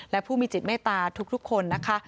และผู้มีจิตเมตตาทุกคนนะคะ